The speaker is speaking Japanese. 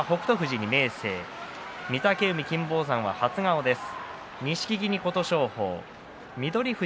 御嶽海、金峰山、初顔です。